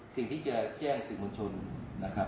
สิ่งที่จะแจ้งสื่อมวลชนนะครับ